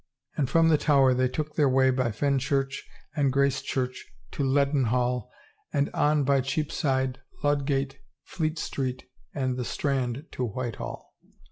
And from the Tower they took their way by Fenchurch and Gracechurch to Leadenhall and on by Cheapside, Ludgate, Fleet Street and the Strand to Whitehall."